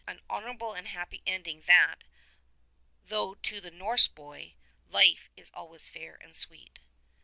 An honourable and a happy ending that, though to the Norseboy life is always fair and sweet.